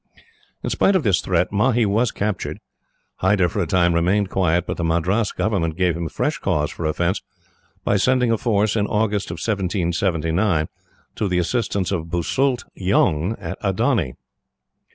In spite of this threat, Mahe was captured. Hyder for a time remained quiet, but the Madras government gave him fresh cause for offence by sending a force, in August, 1779, to the assistance of Basult Jung at Adoni.